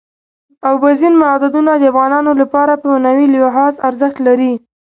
اوبزین معدنونه د افغانانو لپاره په معنوي لحاظ ارزښت لري.